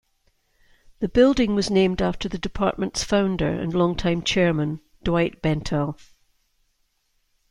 The building was named after the department's founder and long time chairman, Dwight Bentel.